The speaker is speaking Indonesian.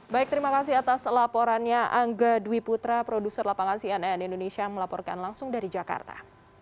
baik terima kasih atas laporannya angga dwi putra produser lapangan cnn indonesia melaporkan langsung dari jakarta